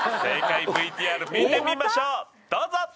正解ＶＴＲ見てみましょうどうぞ！